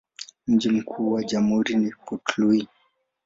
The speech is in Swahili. Mji mkuu wa jamhuri ni Port Louis.